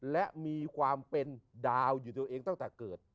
และมีความเป็นดาวอยู่ตัวเองตั้งแต่เกิด